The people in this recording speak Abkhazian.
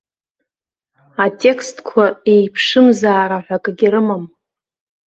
Атекстқәа еиԥшымзаара ҳәа акгьы рымам.